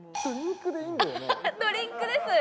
ドリンクです